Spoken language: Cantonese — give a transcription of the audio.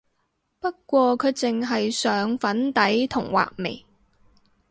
不過佢淨係上粉底同畫眉